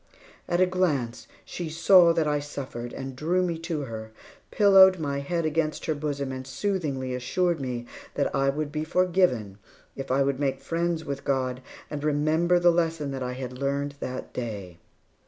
At a glance, she saw that I suffered, and drew me to her, pillowed my head against her bosom and soothingly assured me that I would be forgiven if I would make friends with God and remember the lesson that I had learned that day.